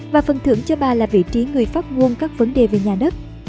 và phần thưởng cho bà là vị trí người phát ngôn các vấn đề về nhà đất